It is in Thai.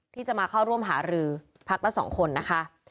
ที่จะมาเข้าร่วมหารือพักละ๒คนนะคะ